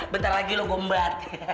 bentar lagi lo gombat